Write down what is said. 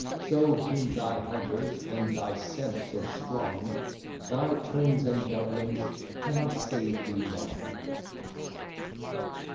So keen thy hunters, and thy scent so strong, Thy turns and doublings cannot save thee long.